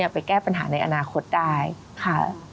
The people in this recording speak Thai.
ไปแก้ปัญหาในอนาคตได้ค่ะ